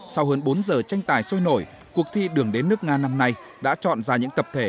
sau hơn bốn giờ tranh tài sôi nổi cuộc thi đường đến nước nga năm nay đã chọn ra những tập thể